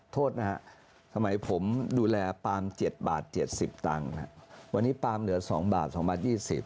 โทษนะครับทำไมผมดูแลปาล์ม๗บาท๗๐ตังค์วันนี้ปาล์มเหลือ๒บาท๒บาท๒๐